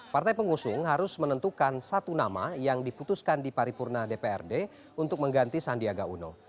partai pengusung harus menentukan satu nama yang diputuskan di paripurna dprd untuk mengganti sandiaga uno